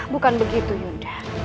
bukan begitu yunda